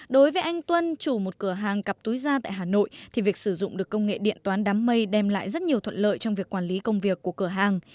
đối với anh tuân chủ một cửa hàng cặp túi ra tại hà nội thì việc sử dụng được công nghệ điện toán đám mây đem lại rất nhiều thuận lợi trong việc quản lý công việc của cửa hàng